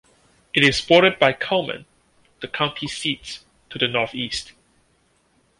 It is bordered by Cullman, the county seat, to the northeast.